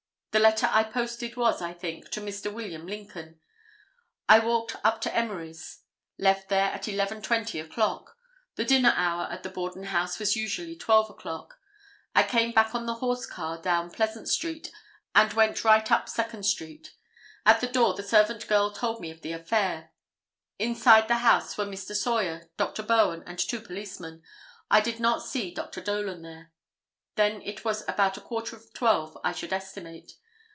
The letter I posted was, I think, to Mr. William Lincoln. I walked up to Emery's; left there at 11:20 o'clock. The dinner hour at the Borden house was usually 12 o'clock. I came back on the horse car down Pleasant street, and went right up Second street. At the door the servant girl told me of the affair. Inside the house were Mr. Sawyer, Dr. Bowen and two policemen. I did not see Dr. Dolan there. Then it was about a quarter of 12, I should estimate.